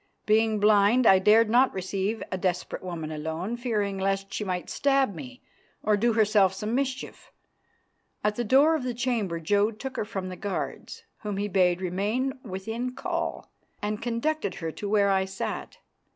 Being blind, I dared not receive a desperate woman alone, fearing lest she might stab me or do herself some mischief. At the door of the chamber Jodd took her from the guards, whom he bade remain within call, and conducted her to where I sat.